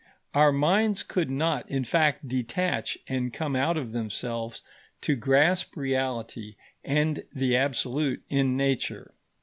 Our minds could not, in fact, detach and come out of themselves to grasp reality and the absolute in Nature.